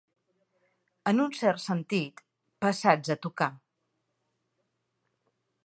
En un cert sentit, passats a tocar.